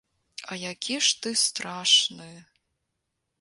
А які ж ты страшны!